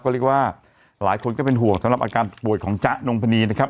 ก็เรียกว่าหลายคนก็เป็นห่วงสำหรับอาการป่วยของจ๊ะนงพนีนะครับ